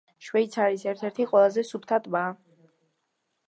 შვეიცარიის ერთ-ერთი ყველაზე სუფთა ტბაა.